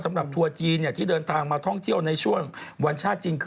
สำหรับทัวร์จีนเนี่ยที่เดินทางมาท่องเที่ยวในช่วงวันชาติจีน